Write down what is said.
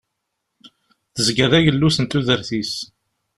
Tezga d agellus n tudert-is.